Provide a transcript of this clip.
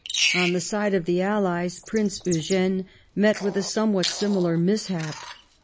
On the side of the Allies, Prince Eugene met with a somewhat similar mishap.